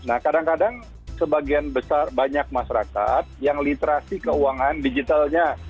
nah kadang kadang sebagian besar banyak masyarakat yang literasi keuangan digitalnya